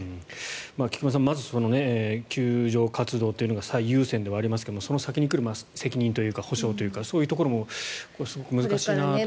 菊間さん、まず救助活動というのが最優先ではありますがその先に来る責任というか補償というかそういうところもすごく難しいなと。